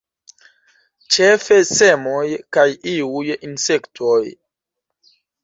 Ĉefe semoj kaj iuj insektoj.